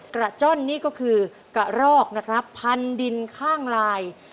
จ้อนนี่ก็คือกระรอกนะครับพันดินข้างลาย